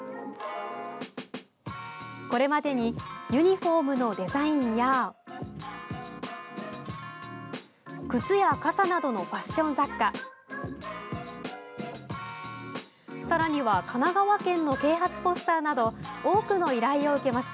これまでにユニフォームのデザインや靴や傘などのファッション雑貨さらには神奈川県の啓発ポスターなど多くの依頼を受けました。